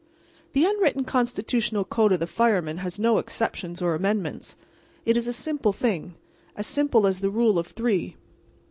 The unwritten constitutional code of the fireman has no exceptions or amendments. It is a simple thing—as simple as the rule of three.